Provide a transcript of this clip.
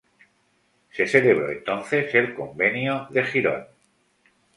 Se celebró entonces el Convenio de Girón.